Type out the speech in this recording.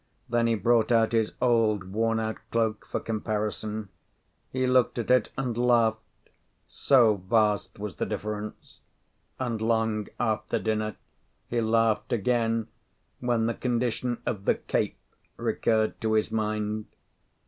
Then he brought out his old, worn out cloak, for comparison. He looked at it and laughed, so vast was the difference. And long after dinner he laughed again when the condition of the "cape" recurred to his mind.